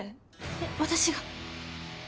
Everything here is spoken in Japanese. えっ私が！？